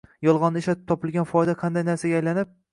yolg‘onni ishlatib topilgan foyda qanday narsaga aylanib